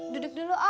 duduk dulu om